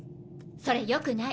それよくない。